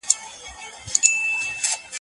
موږ د پرمختګ په حال کي وو.